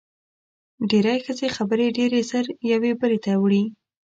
ډېری ښځې خبرې ډېرې زر یوې بلې ته وړي.